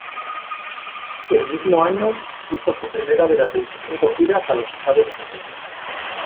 El mismo año, hizo su primera de las veinticinco giras a los Estados Unidos.